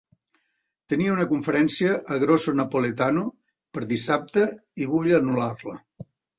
Tenia una conferència a Grosso Napoletano per dissabte i vull anul·lar-la.